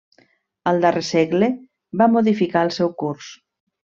Al darrer segle va modificar el seu curs.